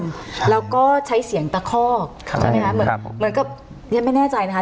ใช่แล้วก็ใช้เสียงตะคอกใช่ไหมคะเหมือนกับยังไม่แน่ใจนะคะ